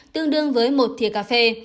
tương đương với một thịa cà phê